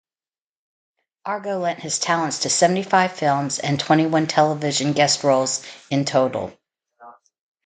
Argo lent his talents to seventy-five films and twenty-one television guest roles in total.